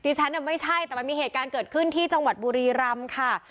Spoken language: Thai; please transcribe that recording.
ฉันไม่ใช่แต่มันมีเหตุการณ์เกิดขึ้นที่จังหวัดบุรีรำค่ะ